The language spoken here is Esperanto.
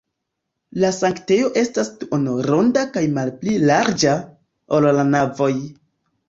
La sanktejo estas duonronda kaj malpli larĝa, ol la navoj.